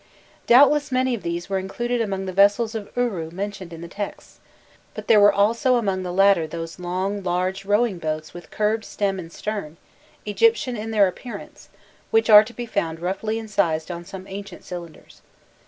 Doubtless many of these were included among the vessels of Uru mentioned in the texts, but there were also among the latter those long large rowing boats with curved stem and stern, Egyptian in their appearance, which are to be found roughly incised on some ancient cylinders.